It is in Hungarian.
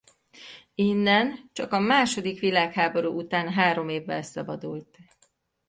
Innen csak a második világháború után három évvel szabadult.